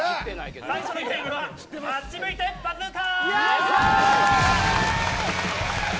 最初のゲームはあっち向いてバズーカ。